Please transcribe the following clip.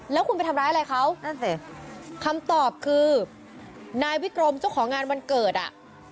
แล้วคุณไปทำร้ายอะไรเขานั่นสิคำตอบคือนายวิกรมเจ้าของงานวันเกิดอ่ะ